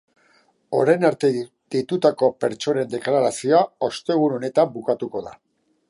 Orain arte deitutako pertsonen deklarazioa ostegun honetan bukatu da.